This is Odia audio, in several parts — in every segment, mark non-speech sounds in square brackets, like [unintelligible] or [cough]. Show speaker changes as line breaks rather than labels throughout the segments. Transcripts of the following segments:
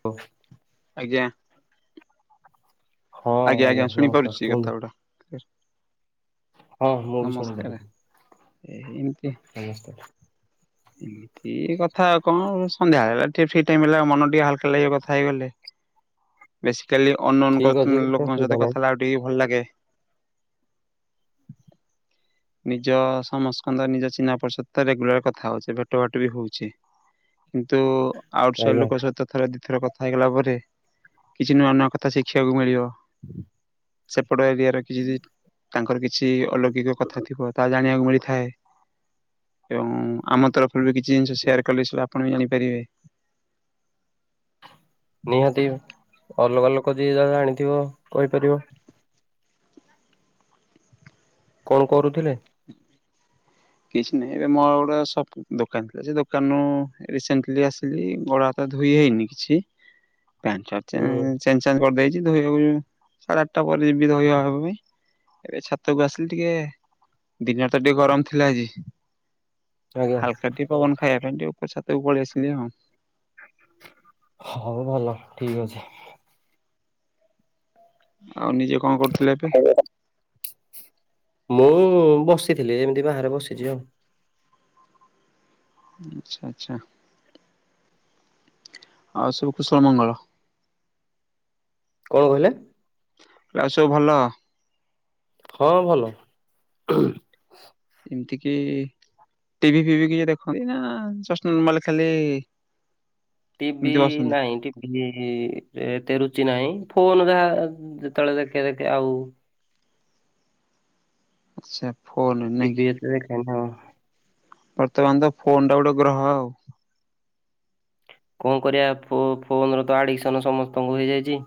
ହୋଉ।
ଆଜ୍ଞା।
ହଁ
ଆଜ୍ଞା ଆଜ୍ଞା
ନମସ୍କାର
ଶୁଣିପାରୁଛି
କୁହନ୍ତୁ
କଥା ଗୁଡା।
ହଁ ମୁଁ ବି
ନମସ୍କାରେ
ଶୁଣିପାରିଲି
ଏ ଏମ୍
ନମସ୍କାର।
ହୁଁ। ଏ କଥା ଆଉ କଣ ସନ୍ଧ୍ୟାବେଳ ହେଲା ଟିକେ ଫ୍ରି ଟାଇମ ହେଲା ମନ ଟିକେ ହାଲକା ଲାଗେ କଥା ହେଇଗଲେ। ବେସିକାଲି ଅନୋନ୍
ଠିକ ଅଛି
ଙ୍କ
କିଛି
ଲୋକଙ୍କ
ଅସୁବିଧା
ସହିତ କଥା
ନାହିଁ
ହେଲା ଆଉ ଟିକେ ଭଲ ଲାଗେ। ନିଜ ସମସ୍କନ୍ଦ ନିଜ ଚିହ୍ନା ପରିଚ ତ ରେଗୁଲାର କଥା ହଉଚେ ଭେଟ ବାଟ ବି ହୋଇଛେ। କିନ୍ତୁ ଆଉଟ୍ ସାଇଡ
ଆଜ୍ଞା
ଲୋକ ସହିତ ଥର ଦିଥର କଥା ହେଇଗଲା ପରେ କିଛି ନୂଆ ନୂଆ କଥା ଶିଖିବାକୁ ମିଳିବ।
[unintelligible]
ସେପଟ ଏରିଆର କିଛି ତାଙ୍କର କିଛି କିଛି ଅଲୌକିକ କଥା ଥିବ ତାହା ଜାଣିବାକୁ ମିଳିଥାଏ ଏବଂ ଆମ ତରଫ ବି କିଛି ଜିନିଷ ସେୟାର କଲେ ଆପଣ ବି ଜାଣିପାରିବେ।
ନିହାତି ଅଲଗା ଲୋକ ଯିଏ ଯାହା ଯାଣିଥିବ କହିପାରିବ। କଣ କରୁଥିଲେ?
କିଛି ନାହିଁ ଏବେ ମୋ ଗୋଟେ ସ ଦୋକାନ ଥିଲା ସେ ଦୋକାନରୁ ରିସେଣ୍ଟଲି ଆସିଲି ଗୋଡ ହାତ ଧୋଇ ହେଇନି କିଛି ପେଣ୍ଟ ସାର୍ଟ ଚେ
ହୁଁ
ଚେଞ୍ଜ ଚାଞ୍ଚ କରିଦେଇଛି ଧୋଇବାକୁ ସାଢେ ଆଠଟା ପରେ ଯିବି ଧୋଇବା ପାଇଁ। ଏବେ ଛାତକୁ ଆସିଲି ଟିକେ ଦିନରେ ତ ଟିକେ ଗରମ ଥିଲା ଆଜି।
ଆଜ୍ଞା।
[unintelligible] ପବନ ଖାଇବା ପାଇଁ ଟିକେ ଉପ ଛାତକୁ ପଳେଇ ଆସିଲି ଆଉ।
ହଉ ଭଲ ଠିକ ଅଛି।
ଆଉ ନିଜେ କଣ କରୁଥିଲେ ଏବେ?
ମୁଁ ବସିଥିଲି ଏମିତି ବାହାରେ ବସିଛି ଆଉ।
ଆଚ୍ଛା ଆଚ୍ଛା ଆଉ ସବୁ କୁସୁମ ମଙ୍ଗଳ।
କଣ କହିଲେ?
ଆଉ ସବୁ ଭଲ।
ହଁ ଭଲ।
ଏମିତିକି ଟିଭି ଫିଭି କିଛି ଦେଖନ୍ତି ନା ଜଷ୍ଟ ନର୍ମାଲ ଖାଲି
ଟିଭି
ଏମିତି ବସନ୍ତି?
ନାହିଁ ଟି ଏତେ ରୁଚି ନାହିଁ ଫୋନ ଯାହା ଯେତେବେଳେ ଦେଖେ ଦେଖେ ଆଉ।
ଆଚ୍ଛା। ଫୋନ ନାଇଁ କି
ଟିଭି ଏତେ ଦେଖେନି ହଁ।
ବର୍ତ୍ତମାନ ତ ଫୋନ୍ ଟା ଗୋଟେ ଗ୍ରହ ଆଉ।
କଣ କରିବା ଫୋନ୍ର ତ ଆଡ଼ିକସନ୍ ସମସ୍ତଙ୍କୁ ହୋଇଯାଇଛି।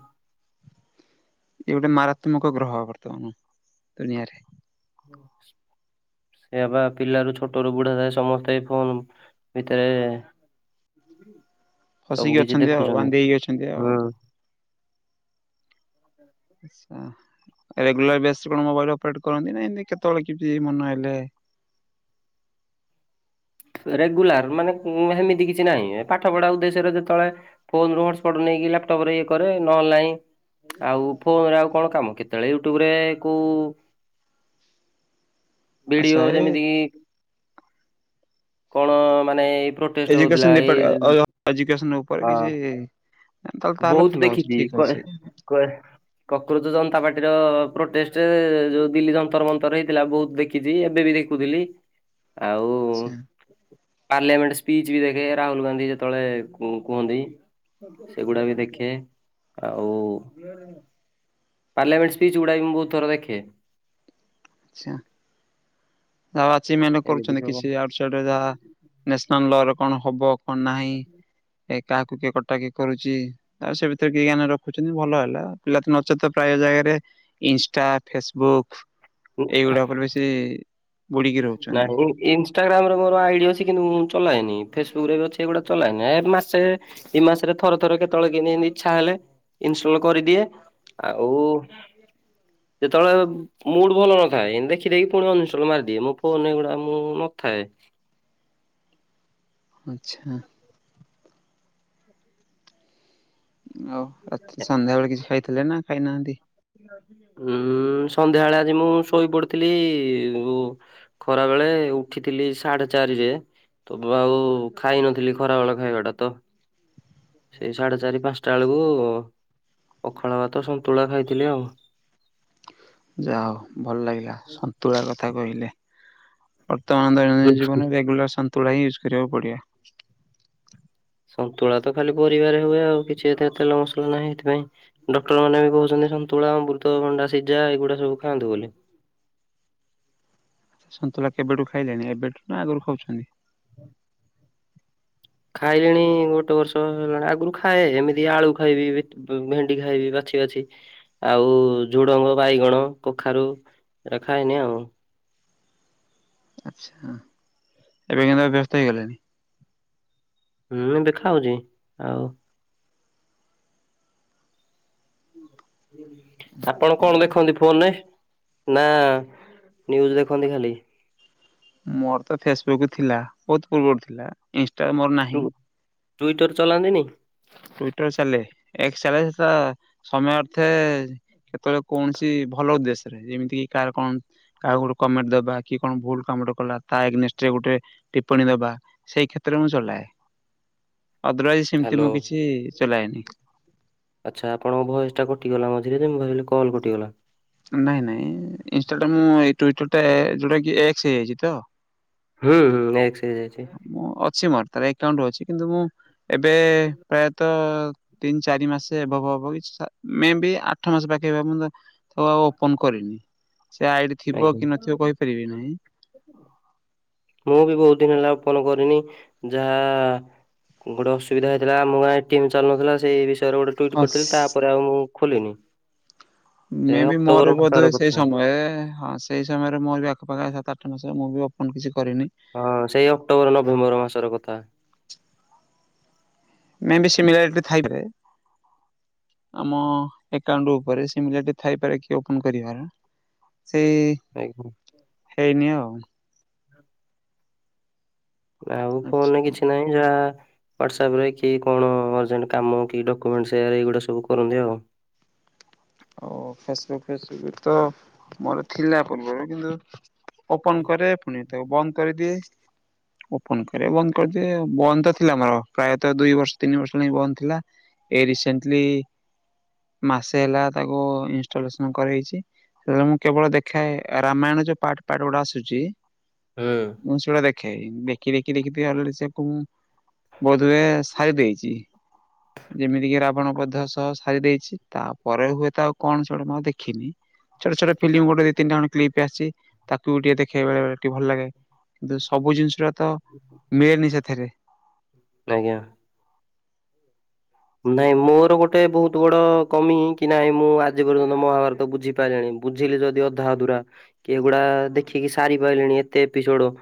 ଏ ଗୋଟେ ମାରାତ୍ମକ ଗ୍ରହ ବର୍ତ୍ତମାନ ଦୁନିଆରେ।
ହୁଁ। ସେଇ ବା ପିଲାରୁ ଛୋଟ ରୁ ବୁଢା ଯାଏ ସମସ୍ତେ ଫୋନ ଭିତରେ ସବୁ
ଫସିକି
କିଛି
ଅଛନ୍ତି ଆଉ
ଦେଖୁଛନ୍ତି
ବାନ୍ଧି ହେଇକି ଅଛନ୍ତି ଆଉ।
ହୁଁ।
ଆଛା ରେଗୁଲାର ବ କଣ ମୋବାଇଲ ଅପରେଟ କରନ୍ତି ନା ଏମିତି କେତେବେଳେ କିମିତି ମନ ହେଲେ।
ରେଗୁଲାର ମାନେ ସେମିତି କିଛି ନାହିଁ ପାଠ ପଢା ଉଦ୍ଦେଶ୍ୟରେ ଯେତେବେଳେ ଫୋନ ରୁ ହଟାସ୍ପଟ ନେଇକି ଲାପଟୋପ ଇଏ କରେ ନହେଲେ ନାଇଁ। ଆଉ ଫୋନରେ ଆଉ କଣ କାମ କେତେବେଳେ ୟୁଟ୍ୟୁବରେ କୋଉ
ଆଚ୍ଛା
ଭଡିଓ
ଏ
ଯେମିତି କି କଣ ମାନେ ଏଇ ପ୍ରୋଟେଷ୍ଟ ହଉଥିଲା ଏଇ
[unintelligible] ଏୁନ ଉପରେ
ହଁ
କିଛି। ତାହଲେ ତାହେଲେ ଭଲ ଅଛି ଠିକ ଅଛି।
କହ? କକରୋଜ ଜନତା ପାର୍ଟି ର ପ୍ରୋଟେଷ୍ଟ ଯୋଉ ଦିଲ୍ଲୀ ଯନ୍ତର ମନ୍ତର ହେଇଥିଲା ବହୁତ ଦେଖ। ଦେଖିଛି ଏବେ ବି ଦେଖୁଥିଲି ଆଉ
ଆଚ୍ଛା।
ପାର୍ଲାମେଣ୍ଟ ସ୍ପିଚ ବି ଦେଖେ ରାହୁଲ ଗାନ୍ଧୀ ଯେତେବେଳେ କୁହନ୍ତି? ଏଗୁଡା ବି ଦେଖେ ଆଉ ପାର୍ଲାମେଟ ସ୍ସିଚ୍ ଗୁଡା ମୁଁ ବହୁତଥର ଦେଖେ।
ଆଚ୍ଛା ଯାହା ଅଛି ମ
ଏମିତି
କରୁଛନ୍ତି
ସବୁ
କିଛି ଆଉଟାଇ ଯାହା। ନ୍ୟାସନାଲ ର କଣ ହବ କଣ ନାହିଁ କାହାକୁ କିଏ କଟାକଏ କରୁଛି ଆଉ ସେ ଭିତରେ କିଏ ଜ୍ଞାନା ରଖୁଛନ୍ତି ଭଲ ହେଲା ପିଲା ତ ନ ତ ପ୍ରାୟ ଜାଗାରେ ଇନଷ୍ଟା ଫେସବୁକ୍ ଏଇଗୁଡା ଉପରେ ବେଶୀ ବୁଡିକି ରହୁଛନ୍ତି।
ନାହିଁ ଇନଷ୍ଟଟାଗ୍ରାମରେ ମୋର ଆଇଡ଼ ଅଛି କିନ୍ତୁ ମୁଁ ଚଲାଏନି ଫେସବୁକ ରେ ବି ଅଛି ଏଗୁଡା ଚଲାଏନି ଏ ମାସେ ଏଇ ମାସ ରେ ଥରେ ଥରେ କେତେବେଳେ କେମିତି ଏମିତି ଇଚ୍ଛା ହେଲେ ଇନଷ୍ଟଲ୍ କରିଦିଏ। ଆଉ ଯେତେବେଳେ ମୁଡ୍ ଭଲ ନଥାଏ, ଏମ ଦେଖିଦେଇକି ପୁଣି ଅନ୍ଇନଷ୍ଟଲ୍ ମାର ଦିଏ, ମୋ ଫୋନ୍ ଗୁଡା ମୁଁ ନଥାଏ।
ଆଚ୍ଛା।
[inaudible]
ଆଉ ରାତି ସନ୍ଧ୍ୟାବେଳେ କିଛି ଖାଇଥିଲେ ନା ଖାଇନାହାନ୍ତି?
ଉଁ, ସନ୍ଧ୍ୟାବେଳେ ଆଜି ମୁଁ ଶୋଇପଡିଥିଲି ଗୁ ଖରାବେଳେ ଉଠିଥିଲି ସାଢେ ଚାରିରେ। ତ ଆଉ ଖାଇନଥିଲି ଖରାବେଳ ଖାଇବା ଟା ତ। ସେଇ ସାଢେ ଚାରି ପାନ୍ସଟା ବେଳକୁ ପଖାଳ ଭାତ ସନ୍ତୁଳା ଖାଇଥିଲି ଆଉ।
ଯା ହଉ ଭଲ ଲାଗିଲା ସନ୍ତୁଳା କଥା କହିଲେ। ବର୍ତ୍ତମାନ ଦୈନନ୍ଦିନ ଜୀବନରେ ରେଗୁଲାର୍ ସନ୍ତୁଳା ହିଁ ୟୁଜ୍ କରିବାକୁ ପଡିବ।
ସନ୍ତୁଳା ତ ଖାଲି ପରିବାରେ ହୁଏ ଆଉ କିଛି ଏତେ ତେଲ ମସଲା ନାହିଁ। ସେଥିପାଇଁ ଡକ୍ଟର୍ ମାନେ ବି କହୁଛନ୍ତି ସନ୍ତୁଳା ଅମୃତଭଣ୍ଡା ସିଜା ଏଗୁଡା ସବୁ ଖାଆନ୍ତୁ ବୋଲି।
ସନ୍ତୁଳା କେବେଠୁ ଖାଇଲେଣି? ଏବେଠୁ ନା ଆଗରୁ ଖାଉଛନ୍ତି?
[unintelligible] ଖାଇଲିଣି ଗୋଟେ ବର୍ଷ ହେଲାଣି, ଆଗରୁ ଖାଏ ଏମିତି ଆଳୁ ଖାଇବି ବିଟ୍ ବ-ଭେଣ୍ଡି ଖାଇବି ବାଛି ବାଛି। ଆଉ ଝୁଡଙ୍ଗ, ବାଇଗଣ, କଖାରୁ ଏରା ଖାଏନି ଆଉ।
ଆଚ୍ଛା ଏବେ କିନ୍ତୁ ଅଭ୍ୟାସ ତ ହେଇଗଲେଣି?
ହୁଁ, ଏବେ ଖାଉଛି, ଆଉ ଆପଣ କଣ ଦେଖନ୍ତି ଫୋନ୍ ରେ? ନା ନ୍ୟୁଜ୍ ଦେଖନ୍ତି ଖାଲି?
ମୋର ତ ଫେସବୁକ୍ ଥିଲା, ବହୁତ ପୂର୍ବରୁ ଥିଲା, ଇନଷ୍ଟା ମୋର ନାହିଁ।
ଟ୍ୱିଟର୍ ଚଲାନ୍ତିନି?
ଟ୍ୱିଟର୍ ଚାଲେ [unintelligible] ତ ସମୟ ଅର୍ଥେ କେତେବେଳେ କୌଣସି ଭଲ ଉଦେଶ୍ୟ ରେ, ଯେମିତି କିି କାହାର କଣ କାହାକୁ ଗୋଟେ କମେଣ୍ଟ ଦବା, କି କଣ ଭୁଲ କାମ ଟେ କଲା ତା ଏଗେନଷ୍ଟରେ ଗୋଟେ ଟିପ୍ପଣୀ ଦବା। ସେଇ କ୍ଷେତ୍ରରେ ମୁଁ ଚଲାଏ। ଅଦରୱାଇଜ ସେମିତି ମୁଁ
ହ୍ୟାଲୋ।
କିଛି ଚଲାଏନି।
ଆଚ୍ଛା ଆପଣଙ୍କ ଭଏସ୍ ଟା କଟିଗଲା ମଝିରେ ଯେ ମୁଁ ଭାବିଲି କଲ୍ କଟିଗଲା।
ନାଇଁ ନାଇଁ ଇନଷ୍ଟା ଟା ମୁଁ ଏଇ ଟୁଇଟର୍ ଟା ଯୋଉଟା କି ଏକ୍ସ ହେଇଯାଇଛି ତ?
ହୁଁ, ହୁଁ ଏକ୍ସ ହେଇ ଯାଇଛି।
ମୋ ଅଛି ମୋର ତାର ଏକାଉଣ୍ଟ୍ ଅଛି, କିନ୍ତୁ ମୁଁ ଏବେ ପ୍ରାୟତ ତିନି ଚାରି ମାସ ଏଭବ୍ ହବ କି ସା-ମେବି ଆଠ ମାସ ପାଖେ ହବ ମୁଁ ତା ତାକୁ ଆଉ ଓପନ୍ କରିନି, ସେ ଆଇଡି ଥିବ କି
ଆଜ୍ଞା
ନଥିବ କହିପାରିବି ନାହିଁ।
ମୁଁ ବି ବହୁତ ଦିନ ହେଲା ଓପନ୍ କରିନି ଯାହା ଗୋଟେ ଅସୁବିଧା ହେଇଥିଲା ଆମ ଗାଁ ଏଟିଏମ୍ ଚାଲୁନଥିଲା, ସେଇ ବିଷୟରେ ଗୋଟେ ଟୁଇଟ୍
ହଁ
କରିଥିଲି ତାପରେ ଆଉ ମୁଁ ଖୋଲିନି। ଏ
ମେ ବି ମୋର
ଅକ୍ଟୋବର
ବୋଧୁଏ
ମାସର
ସେଇ
କଥା
ସମୟରେ ହଁ ସେଇ ସମୟରେ ମୋର ବି ଆଖପାଖ ସାତ ଆଠ ମାସ ହେବ ମୁଁ ବି ଓପନ୍ କିଛି କରିନି।
ହଁ ସେଇ ଅକ୍ଟୋବର ନଭେମ୍ବର ମାସର କଥା।
ମେ ବି ସିମିଲାରିଟି ଥାଇପାରେ। ଆମ ଏକାଉଣ୍ଟ ଉପରେ ସିମିଲାରିଟି ଥାଇପାରେ କି ଓପନ୍ କରିବାର? ସେଇ
ନାଇଁ ଘୁହୂ
ହେଇନି ଆଉ
ଆଉ ଫୋନରେ
ଆଚ୍ଛା।
କିଛି ନାଇଁ ଯାହା ହ୍ୱାଟ୍ସଅପ୍ ରେ କି କଣ ଅର୍ଜେଣ୍ଟ କାମ କି ଡକ୍ୟୁମେଣ୍ଟ ସେୟାର ଏଇଗୁଡ଼ା ସବୁ କରନ୍ତି ଆଉ।
ଓ ଫେସବୁକ୍ ଫେସବୁକ୍ ତ ମୋର ଥିଲା ପୂର୍ବରୁ କିନ୍ତୁ ଓପନ୍ କରେ ଫୁଣି ତାକୁ ବନ୍ଦ କରିଦିଏ। ଓପନ କରେ ବନ୍ଦ କରିଦିଏ ବନ୍ଦ ତ ଥିଲା ମୋର ପ୍ରାୟତଃ ଦୁଇ ବର୍ଷ ତିନି ବର୍ଷ ହେଲାଣି ବନ୍ଦ ଥିଲା। ଏ ରିସେଣ୍ଟଲି ମାସେ ହେଲା ତାକୁ ଇନଷ୍ଟଲେସନ କରେଇଚି। ହେଲେ ମୁଁ କେବଳ ଦେଖାଏ ରାମାୟଣ ଯୋଉ ପାଟ ପାଟ ଗୁଡ଼ା ଆସୁଚି।
ହଁ।
ମୁଁ ସେଗୁଡା ଦେଖେ। ଦେଖି ଦେଖି ଦେଖି ଥିବା ଅଲେଡ଼ି ସେୟା କୁ ମୁଁ ବୋଧ ହୁଏ ସାରି ଦେଇଚି। ଯେମିତିକି ରାବଣ ବଧ ସହ ସାରି ଦେଇଛି ତାପରେ ହୁଏ ତ ଆଉ କଣ ସେଗୁଡ଼ା ମୁଁ ଆଉ ଦେଖିନି। ଛୋଟ ଛୋଟ ଫିଲିମ ଗୋଟେ ଦି ତିନି ଜଣେ କ୍ଲିପ ଟେ ଆସଚି ତାକୁ ବି ଟିକେ ଦେଖେ ବେଳେବେଳେ ଟିକେ ଭଲ ଲାଗେ। କିନ୍ତୁ ସବୁ ଜିନିଷଟା ତ ମିଳେନି ସେଥେରେ।
ନା ଜ୍ଞା ନାଇଁ ମୋର ଗୋଟେ ବହୁତୁ ବଡ଼ କମି କି ନାଇଁ ମୁଁ ଆଜି ପର୍ଯ୍ୟନ୍ତ ମହାଭାରତ ବୁଝିି ପାରେଣି ବୁଝିଲେ ଯଦି ଅଧା ଅଧୁରା କି ଏଗୁଡ଼ା ଦେଖିକି ସାରି ପାଇଲିଣି ଏତେ ଏପିସୋଡ଼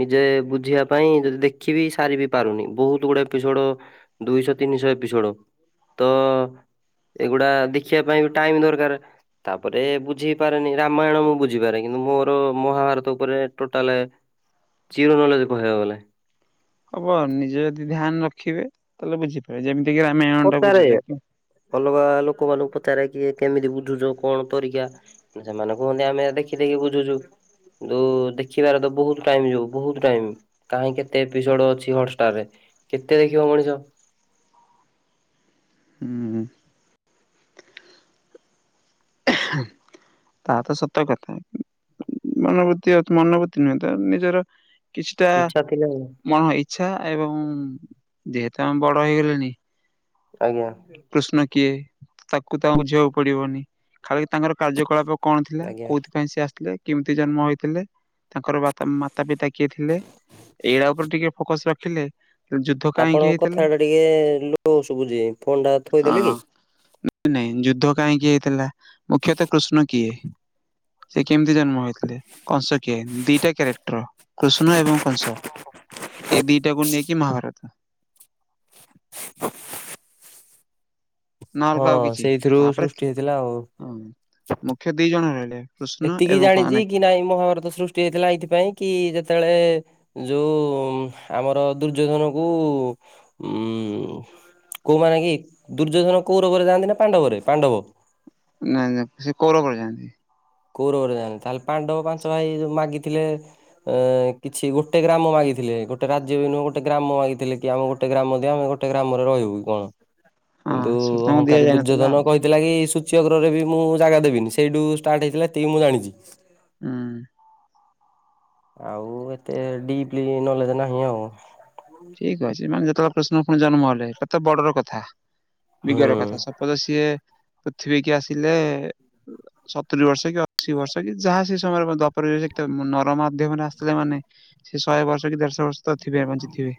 ନିଜେ ବୁଝିବା ପାଇଁ ଯଦି ଦେଖିବି ସାରି ବିି ପାରୁନି ବହୁତୁ ଗୁଡେ ଏପିସୋଡ଼ ଦୁଇଶ, ତିନିଶ ଏପିସୋଡ଼ ତ ଅ ଅ ଏଗୁଡ଼ା ଦେଖିବା ପାଇଁ ବି ଟାଇମି ଦରକାରେ। ତାପରେ ବୁଝି ପାରେନି ରାମାୟଣ ମୁଁ ବୁଝିପାରେ କିନ୍ତୁ ମୋର ମହାଭାରତ ଉପରେ ଟୋଟାଲେ ଜିରୋ ନଲେଜ କହିବାକୁ ଗଲେ।
ହବ ନିଜେ ଯଦି ଧ୍ୟାନ ରଖିବେ ତାହେଲେ ବୁଝିପାରିବେ ଯେମିତି କିି ରାମାୟଣ ଟା
ପଚାରେ
ବୁଝିଲେ। କିନ୍
ଅଲଗା ଲୋକମାନଙ୍କୁ ପଚାରେ କିଏ କେମିତି ବୁଝୁଚ କଣ ତରିକା। ସେମାନେ କୁହନ୍ତି ଆମେ ଦେଖି ଦେଖି ବୁଝୁଚୁ। ଯୋଉ ଦେଖିବାର ତ ବହୁତ ଟାଇମ୍ ଯୋଉ ବହୁତ ଟାଇମ୍ କାହିଁ କେତେ ଏପିସୋଡ଼ ଅଛି ହଟଷ୍ଟାର ରେ କେତେ ଦେଖିବ ମଣିଷ।
ହୁଁ। ତାହା ତ ସତ କଥା ମନୋବୃତ୍ତି ଅଛ ମନୋବୃତ୍ତି ନୁହେଁ ତାର ନିଜର କିଛିଟା
ଇଚ୍ଛା ଥିଲେ
ମନ ଇଚ୍ଛା ଏବଂ ଯେହେତୁ ଆମେ ବଡ଼ ହେଇ ଗଲେଣି
ଆଜ୍ଞା।
କୃଷ୍ଣ କିଏ ତାକୁ ତ ଆଉଁ ବୁଝିବାକୁ ପଡ଼ିବନି ଖାଲି ତାଙ୍କର କାର୍ଯ୍ୟକଳାପ କଣ ଥିଲା
ଆଜ୍ଞା।
କୋଉଥିପାଇଁ ସିଏ ଆସଥିଲେ କେମିତି ଜନ୍ମ ହୋଇଥିଲେ ତାଙ୍କର ବା ମାତା ପିତା କିଏ ଥିଲେ ଏଇଡ଼ା ଉପରେ ଟିକେ ଫୋକସ୍ ରଖିଲେ ଯୁଦ୍ଧ କାହିଁକି
ଆପଣଙ୍କ
ହେଇଥିଲା
କଥା ଟା ଟିକେ ଏ ଏ ଲୋ ସୁବୁଚି ଫୋନ୍ ଟା
ହଁ
ଥୋଇଦେଲେ କି?
ନାଇଁ ନାଇଁ ଯୁଦ୍ଧ କାହିଁକି ହେଇଥିଲା ମୁଖ୍ୟତଃ କୃଷ୍ଣ କିଏ? ସିଏ କେମତି ଜନ୍ମ ହେଇଥିଲେ କଂସ କିଏ ଦିଟା କ୍ୟାରେକ୍ଟର। କୃଷ୍ଣ ଏବଂ କଂସ ଏଇ ଦିଟାକୁ ନେଇକି ମହାଭାରତ। ନା
ହଁ
ଅଲଗା ଆଉ କିଛି
ସେଇଥିରୁ
ତାପରେ
ସୃଷ୍ଟି ହେଇଥିଲା ଆଉ।
ହଁ ମୁଖ୍ୟ ଦି ଜଣ ରହିଲେ। କୃଷ୍ଣ
ଏତିକି
ଏବଂ କଣ
ଜାଣିଚି କି ନାଇଁ ମହାଭାରତ ସୃଷ୍ଟି ହେଇଥିଲା ଏଇଥିପାଇଁ କି ଯେତବଳେ ଯୋଉ ଆମର ଦୁର୍ଯ୍ୟୋଧନ କୁ ଉଁ ଉଁ ଉଁ କୋଉମାନେ କି ଦୁର୍ଯ୍ୟୋଧନ କୌରବରେ ଯାଆନ୍ତି ନା ପାଣ୍ଡବରେ? ପାଣ୍ଡବ।
ନାଇଁ-ନାଇଁ ସେ [unintelligible]
କୌରବରେ ଯାଆନ୍ତି, ତାହେଲେ ପାଣ୍ଡବ ପାଞ୍ଚ ଭାଇ ଯୋଉ ମାଗିଥିଲେ ଅ କିଛି ଗୋଟେ ଗ୍ରାମ ମାଗିଥିଲେ, ଗୋଟେ ରାଜ୍ୟ ବି ନୁହେଁ ଗୋଟେ ଗ୍ରାମ ମାଗିଥିଲେ କି ଆମୁ କୁ ଗୋଟେ ଗ୍ରାମ ଦିଅ ଗୋଟେ ଗ୍ରାମରେ ରହିବୁ କଣ
ହଁ
କିନ୍ତୁ
ସେଇଟା ତାଙ୍କୁ
ଅହଙ୍କାରୀ
ଦିଆଯାଇନଥିଲା ଆଉ
ଦୁର୍ଯ୍ୟୋଧନ କହି ଥିଲା କି ସୂଚ୍ୟ ଗ୍ରହ ରେ ବି ମୁଁ ଜାଗା ଦେବିନି ସେଇଠୁ ଷ୍ଟାର୍ଟ ହେଇଥିଲା, ଏତିକି ମୁଁ ଜାଣିଚି।
ହୁଁ।
ଆଉ ଏତେ ଡିପଲି ନଲେଜ୍ ନାହିଁ ଆଉ।
ଠିକ ଅଛି, ମାନେ ଯେତେବେଳେ କୃଷ୍ଣ ଫୁଣି ଜନ୍ମ ହେଲେ କେତେ ବଡ଼ ର କଥା
ହୁଁ
ବିଗର କଥା ବୋଧେ ସିଏ ପୃଥିବୀ କି ଆସିଲେ ସତୁରି ବର୍ଷ କି ଅ ସେ ବର୍ଷ କି ଯାହା ସେ ସମୟରେ [unintelligible] ତ ନର ମାଧ୍ୟମ ରେ ଆସିଲେ ମାନେ ସେ ଶହେ ବର୍ଷ କି ଦେଢଶହ ବର୍ଷ ତ ଥିବେ ବଞ୍ଚି ଥିବେ।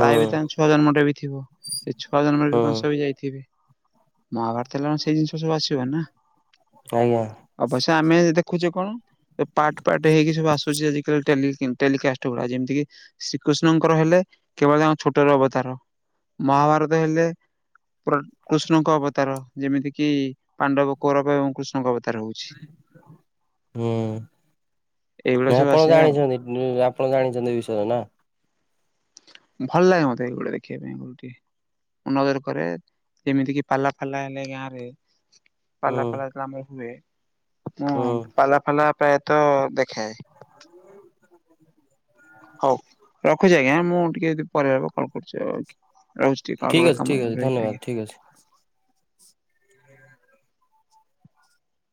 ତା [unintelligible] ତାଙ୍କ ଛୁଆ ଜନ୍ମ ଟା ବି ଥିବ ଏ ଛୁଆ ଜନ୍ମ ର ବି
ହୁଁ।
କଂସ ବି ଯାଇଥିବେ। ମହାଭାରତ ହେଲା ସେଇ ଜିନିଷ ସବୁ ଆସିବ ନା।
ଆଜ୍ଞା।
ଅବଶ୍ୟ ଆମେ ଦେଖୁଛେ କଣ ପାର୍ଟ-ପାର୍ଟ ହେଇକି ସବୁ ଆସୁଛି ଆଜି କାଲି ଟେଲି ଟେଲିକାଷ୍ଟ ଗୁଡା ଯେମିତି କି ଶ୍ରୀକୃଷ୍ଣ [unintelligible] ହେଲେ କେବଳ ତାଙ୍କ ଛୋଟର ଅବତାର ମହାଭାରତ ହେଲେ କୃଷ୍ଣଙ୍କ ଅବତାର ଯେମିତି କିି ପାଣ୍ଡବ କୌରବ ଏବଂ କୃଷ୍ଣ ଙ୍କ ଅବତାର ରହୁଚି।
ହୁଁ [unintelligible]
ଏଇଗୁଡା ସବୁ
ଆପଣ ଜାଣିଚନ୍ତି। [unintelligible]
ଆସିବା ଆଉ
ଆପଣ ଜାଣିଚନ୍ତି ଏ ବିଷୟରେ ନା।
ଭଲ୍ ଲାଗେ ମୋତେ ଏ ଗୋଡା ଦେଖିବା ପାଇଁ [unintelligible] ନଜର କରେ ଯେମିତି କିି ପାଲା ଫାଲା ହେଲେ ଗାଁ ରେ
ହୁଁ
ପାଲା ଫାଲା ଯେତବେଳେ ଆମର ହୁଏ ହଁ
ହୁଁ
ପାଲା ଫାଲା ପ୍ରାୟତଃ ଦେଖେ
[inaudible]
ହଉ ରଖୁଛି ଆଜ୍ଞା ମୁଁ ଟିକେ ଯଦି ପରିବାରକୁ କଲ୍ କରୁଚି ଆଉ। ରହୁଚି ଟିକେ
ଠିକ
ଅଲଗା
ଅଛି ଠିକ
କାମ
ଅଛି ଧନ୍ୟବାଦ
ଆଜ୍ଞା।
ଠିକ ଅଛି।